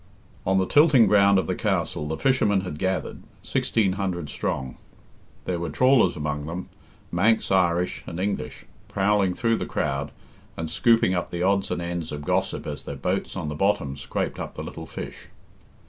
On the tilting ground of the castle the fishermen had gathered, sixteen hundred strong. There were trawlers among them, Manx, Irish, and English, prowling through the crowd, and scooping up the odds and ends of gossip as their boats on the bottom scraped up the little fish.